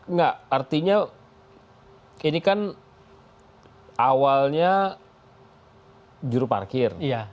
enggak artinya ini kan awalnya juru parkir